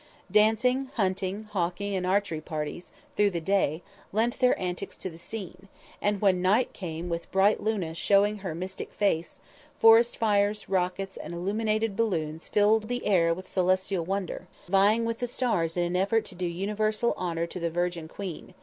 Dancing, hunting, hawking and archery parties, through the day, lent their antics to the scene, and when night came with bright Luna showing her mystic face, forest fires, rockets and illuminated balloons filled the air with celestial wonder, vieing with the stars in an effort to do universal honor to the "Virgin Queen!"